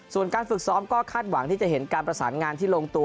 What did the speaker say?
ส่วนการฝึกซ้อมก็คาดหวังที่จะเห็นการประสานงานที่ลงตัว